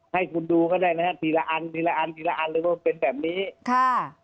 ให้คุณดูก็ได้นะฮะทีละอันทีละอันทีละอันเลยว่าเป็นแบบนี้ค่ะ